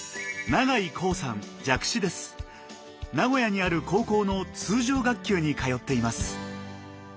名古屋にある高校の通常学級に通っています。